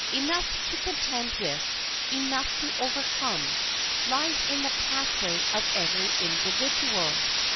Enough to contend with, enough to overcome, lies in the pathway of every individual.